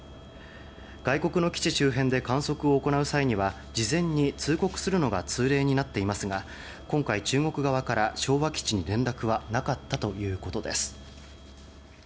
外国の基地周辺で観測を行う際には事前に通告するのが通例になっていますが今回、中国側から昭和基地に連絡はなかったということです。